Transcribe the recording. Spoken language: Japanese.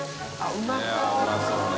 うまそうね。